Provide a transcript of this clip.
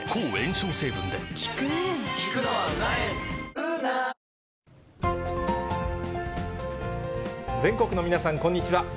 ニトリ全国の皆さん、こんにちは。